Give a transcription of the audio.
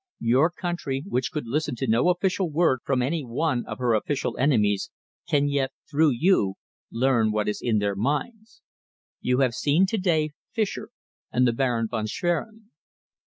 Your country, which could listen to no official word from any one of her official enemies, can yet, through you, learn what is in their minds. You have seen to day Fischer and the Baron von Schwerin.